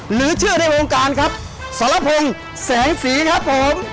หรือชื่อในวงการครับสรพงศ์แสงสีครับผม